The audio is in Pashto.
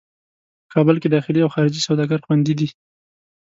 په کابل کې داخلي او خارجي سوداګر خوندي دي.